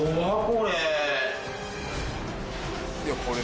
これ。